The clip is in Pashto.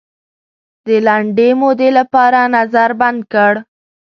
د لنډې مودې لپاره نظر بند کړ.